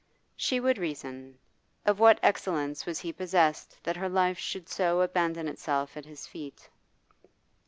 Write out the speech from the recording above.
She would reason. Of what excellence was he possessed that her life should so abandon itself at his feet?